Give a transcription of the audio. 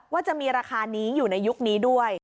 ว่าจะมีราคานี้อยู่ในยุคนี้ด้วย